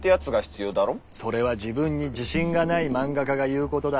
それは自分に自信がない漫画家が言うことだ。